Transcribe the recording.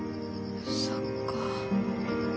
そっか。